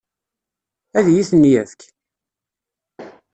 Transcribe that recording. Ad iyi-ten-yefk?